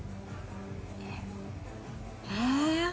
えっええ？